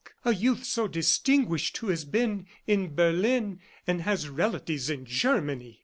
A youth so distinguished who has been in Berlin, and has relatives in Germany!"